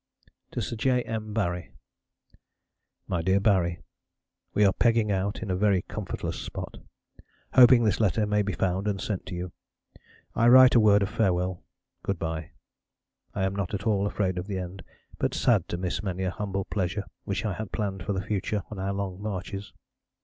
To Sir J. M. Barrie MY DEAR BARRIE. We are pegging out in a very comfortless spot. Hoping this letter may be found and sent to you, I write a word of farewell ... Good bye. I am not at all afraid of the end, but sad to miss many a humble pleasure which I had planned for the future on our long marches.